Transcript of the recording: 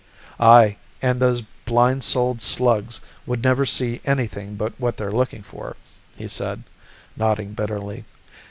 "Aye, and those blind souled slugs would never see anything but what they're looking for," he said, nodding bitterly.